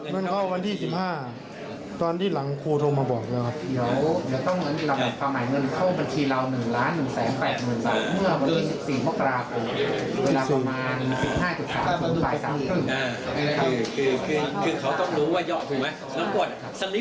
แล้วก็สลิปเราต้องอยู่ในเงินเบนชี่